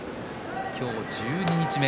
今日、十二日目。